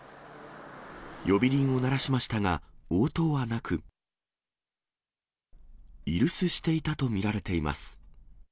呼び鈴を鳴らしましたが、応答はなく、居留守していたと見られています。